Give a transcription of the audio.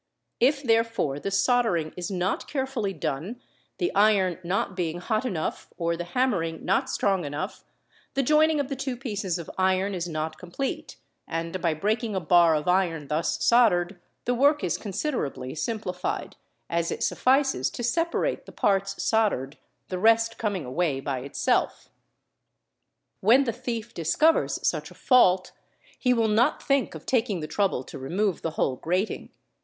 If therefore the soldering is not carefully done, the iron not being hot enough or the hammering not strong enough, the joining of the two pieces of iron is not complete and by breaking a bar of iron thus soldered the work is considerably simplified, as it suffices to separate the parts soldered—the rest coming away by itself. i When the thief discovers such a fault he will not think of taking the trouble to remove the whole erating.